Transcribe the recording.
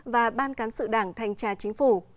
và ban cán sự đảng thành trà chính phủ